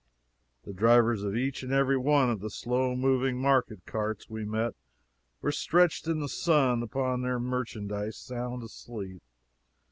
The drivers of each and every one of the slow moving market carts we met were stretched in the sun upon their merchandise, sound a sleep.